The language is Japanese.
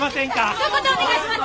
ひと言お願いします！